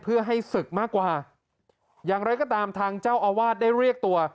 เพื่อให้ศึกมากกว่าอย่างไรก็ตามทางเจ้าอาวาสได้เรียกตัว